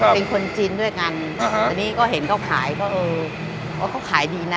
เป็นคนจีนด้วยกันแต่นี่ก็เห็นเขาขายก็เออเขาขายดีนะ